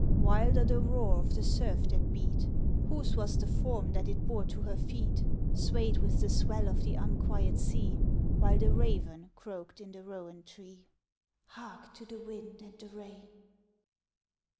_) Wilder the roar of the surf that beat; Whose was the form that it bore to her feet Swayed with the swell of the unquiet sea, While the raven croaked in the rowan tree. (_Hark to the wind and the rain.